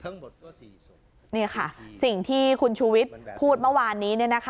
นี่ค่ะสิ่งที่คุณชูวิทย์พูดเมื่อวานนี้